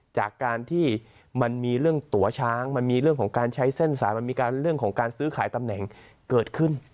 จากการที่มันมีเรื่องตัวช้างมันมีเรื่องของการใช้เส้นสารมันมีการเรื่องของการซื้อขายตำแหน่งเกิดขึ้น